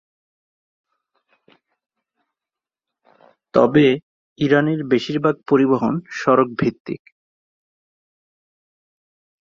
তবে, ইরানের বেশিরভাগ পরিবহন সড়ক-ভিত্তিক।